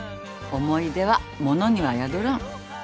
思い出は物には宿らん